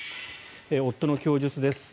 夫の供述です。